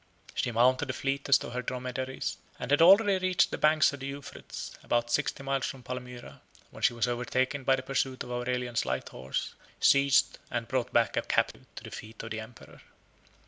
She mounted the fleetest of her dromedaries, 72 and had already reached the banks of the Euphrates, about sixty miles from Palmyra, when she was overtaken by the pursuit of Aurelian's light horse, seized, and brought back a captive to the feet of the emperor.